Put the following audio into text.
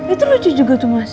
itu lucu juga tuh mas